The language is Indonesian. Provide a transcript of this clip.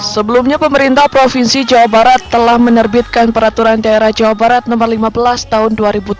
sebelumnya pemerintah provinsi jawa barat telah menerbitkan peraturan daerah jawa barat no lima belas tahun dua ribu tujuh belas